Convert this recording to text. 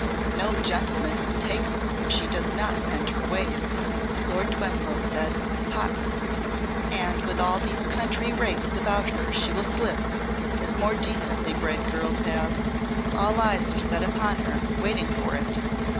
"No gentleman will take her if she does not mend her ways," Lord Twemlow said, hotly; "and with all these country rakes about her she will slip as more decently bred girls have. All eyes are set upon her, waiting for it.